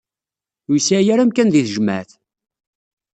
Ur yesɛi ara amkan di tejmaɛt.